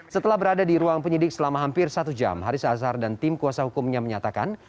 setelah berada di ruang penyidik selama hampir satu jam haris azhar dan tim kuasa hukumnya menyatakan